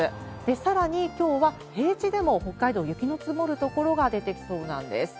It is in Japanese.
さらに、きょうは平地でも北海道、雪の積もる所が出てきそうなんです。